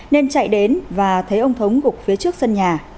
nên chạy đến và thấy ông thống gục phía trước sân nhà